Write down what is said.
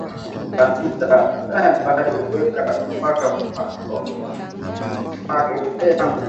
Bantu ba cadastre bari weka mpaka wa mpango yangu